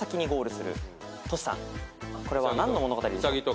トシさんこれは何の物語でしょう？